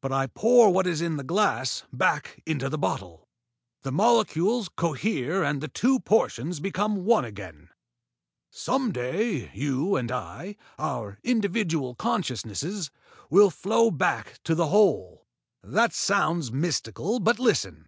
But I pour what is in the glass back into the bottle. The molecules cohere and the two portions become one again. Some day you and I our individual consciousnesses will flow back to the Whole. That sounds mystical, but listen.